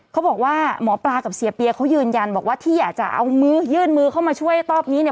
เขาบอกว่าหมอปลากับเสียเปียเขายืนยันบอกว่าที่อยากจะเอามือยื่นมือเข้ามาช่วยรอบนี้เนี่ย